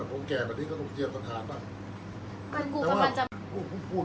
อันไหนที่มันไม่จริงแล้วอาจารย์อยากพูด